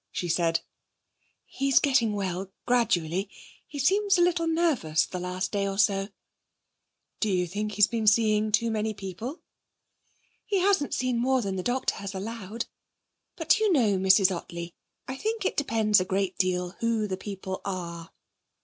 she said. 'He's getting well; gradually. He seems a little nervous the last day or so.' 'Do you think he's been seeing too many people?' 'He hasn't seen more than the doctor has allowed. But, do you know, Mrs. Ottley, I think it depends a great deal who the people are.'